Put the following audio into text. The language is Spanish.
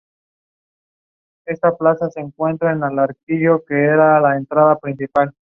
El tiroteo fue grabado por varios transeúntes.